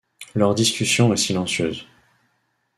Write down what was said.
Leur discussion est silencieuse.